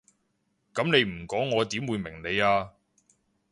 噉你唔講我點會明你啊？